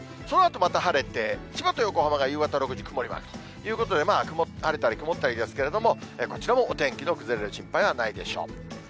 そのあとまた晴れて、千葉と横浜が６時、曇りマーク、ということで、晴れたり曇ったりですけれども、こちらもお天気の崩れる心配はないでしょう。